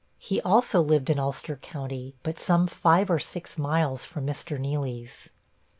He also lived in Ulster County, but some five or six miles from Mr. Nealy's.